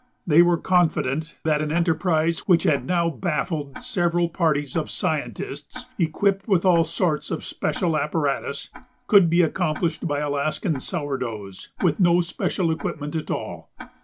They were confident that an enterprise which had now baffled several parties of "scientists," equipped with all sorts of special apparatus, could be accomplished by Alaskan "sourdoughs" with no special equipment at all.